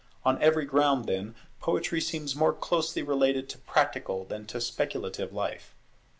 On every ground, then, Poetry seems more closely related to practical than to speculative life.